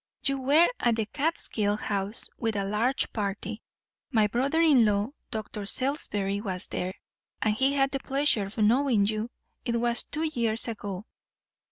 You were at the Catskill House, with a large party; my brother in law Dr. Salisbury was there, and he had the pleasure of knowing you. It was two years ago."